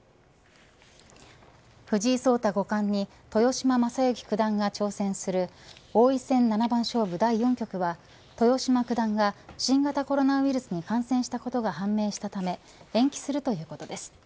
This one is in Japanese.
藤井聡太五冠に豊島将之九段が挑戦する王位戦七番勝負第四局は豊島九段が新型コロナウイルスに感染したことが判明したため延期するということです。